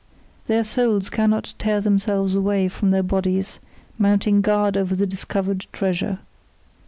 Their souls cannot tear themselves away from their bodies mounting guard over the discovered treasure.